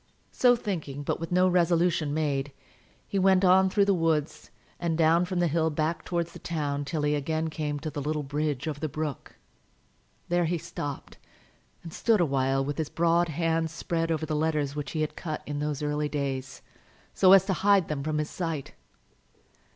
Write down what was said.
So thinking, but with no resolution made, he went on through the woods, and down from the hill back towards the town till he again came to the little bridge over the brook. There he stopped and stood a while with his broad hand spread over the letters which he had cut in those early days, so as to hide them from his sight.